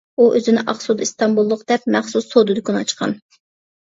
ئۇ ئۆزىنى ئاقسۇدا ئىستانبۇللۇق دەپ، مەخسۇس سودا دۇكىنى ئاچقان.